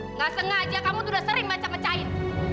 nggak sengaja kamu tuh udah sering macam mecahin